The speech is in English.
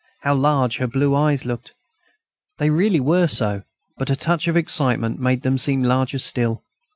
How large her blue eyes looked! They really were so, but a touch of excitement made them seem larger still.